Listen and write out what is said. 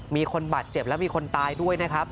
มีคนบาดเจ็บและมีคนตายด้วยนะครับ